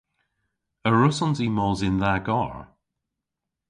A wrussons i mos yn dha garr?